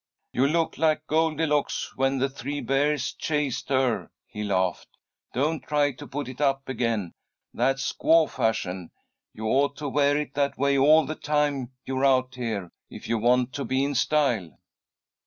"You look like Goldilocks when the three bears chased her," he laughed. "Don't try to put it up again. That's squaw fashion. You ought to wear it that way all the time you're out here, if you want to be in style."